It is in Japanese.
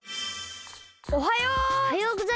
おはよう。